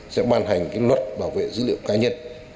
sẽ ban hành cái luật bảo vệ dữ liệu cá nhân